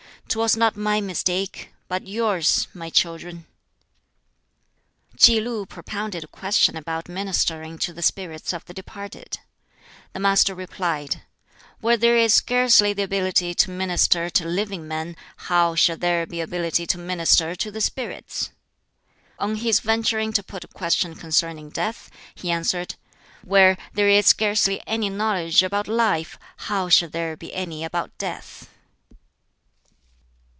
Twas not my mistake, but yours, my children." Tsz lu propounded a question about ministering to the spirits of the departed. The Master replied, "Where there is scarcely the ability to minister to living men, how shall there be ability to minister to the spirits?" On his venturing to put a question concerning death, he answered, "Where there is scarcely any knowledge about life, how shall there be any about death?"